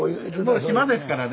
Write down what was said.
島ですからね。